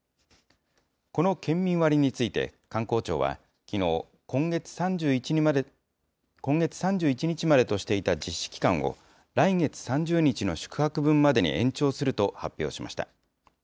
この県民割について観光庁は、きのう、今月３１日までとしていた実施期間を、来月３０日の宿泊分までに延長すると発表しました。